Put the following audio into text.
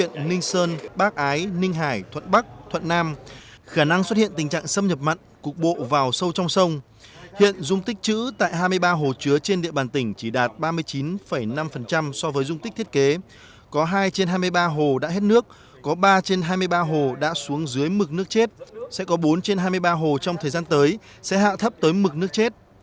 tại sơn bác ái ninh hải thuận bắc thuận nam khả năng xuất hiện tình trạng xâm nhập mặn cục bộ vào sâu trong sông hiện dung tích chữ tại hai mươi ba hồ chứa trên địa bàn tỉnh chỉ đạt ba mươi chín năm so với dung tích thiết kế có hai trên hai mươi ba hồ đã hết nước có ba trên hai mươi ba hồ đã xuống dưới mực nước chết sẽ có bốn trên hai mươi ba hồ trong thời gian tới sẽ hạ thấp tới mực nước chết